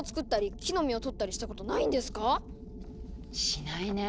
しないね。